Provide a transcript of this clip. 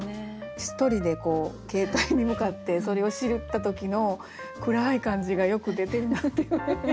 一人でこう携帯に向かってそれを知った時の暗い感じがよく出てるなっていうふうに。